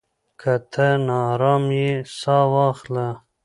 که ته ناارام يې، ساه واخله.